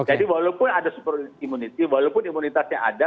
jadi walaupun ada super imunisi walaupun imunitasnya ada